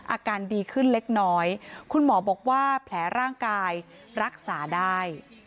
อาการดีขึ้นเล็กน้อยคุณหมอบอกว่าแผลร่างกายรักษาได้